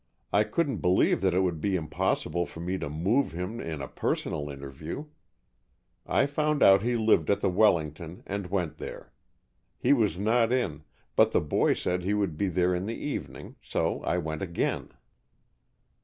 I couldn't believe that it would be impossible for me to move him in a personal interview. I found out he lived at the Wellington and went there. He was not in, but the boy said he would be there in the evening, so I went again."